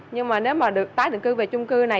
nhưng mà nếu mà được tái định cư về chung cư này